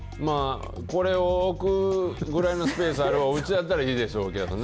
これを置くぐらいのスペースあるうちやったらいいでしょうけどね。